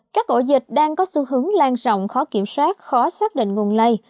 các ổ dịch đang có xu hướng lan rộng khó kiểm soát khó xác định nguồn lây